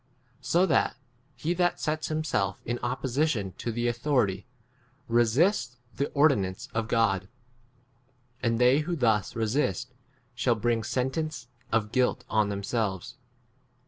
So that he that sets himself in opposition to the authority resists the ordi nance of God ; and they who [thus] resist shall bring x sentence of guilt 3 on themselves.